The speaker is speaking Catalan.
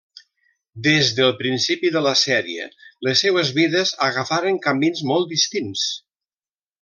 Des del principi de la sèrie, les seues vides agafaren camins molt distints.